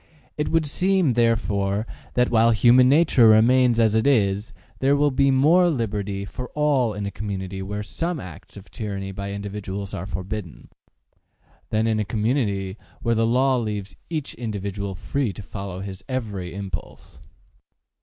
It would seem, therefore, that, while human nature remains as it is, there will be more liberty for all in a community where some acts of tyranny by individuals are forbidden, than in a community where the law leaves each individual free to follow his every impulse.